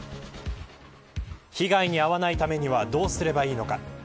被害に遭わないためにはどうすればいいのか。